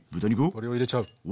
これを入れちゃう。